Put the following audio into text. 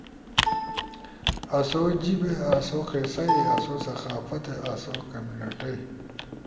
آسو جیب آسو قصہ ئی، آسو ثقافت آسو کمیونٹی۔